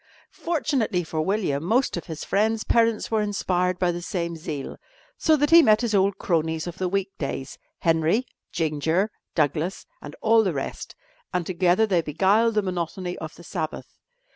Fortunately for William, most of his friends' parents were inspired by the same zeal, so that he met his old cronies of the week days Henry, Ginger, Douglas and all the rest and together they beguiled the monotony of the Sabbath.